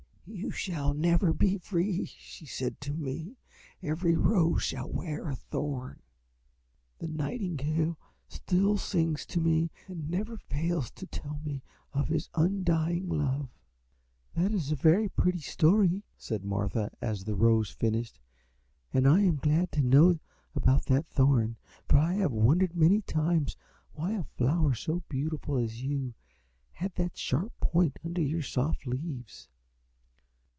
"'You shall never be free,' she said to me; 'every Rose shall wear a thorn.' "The nightingale still sings to me and never fails to tell me of his undying love." "That is a very pretty story," said Martha as the Rose finished, "and I am glad to know about that Thorn, for I have wondered many times why a flower so beautiful as you had that sharp point under your soft leaves."